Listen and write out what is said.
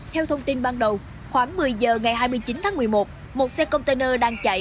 theo thông tin ban đầu khoảng một mươi giờ ngày hai mươi chín tháng một mươi một một xe container đang chạy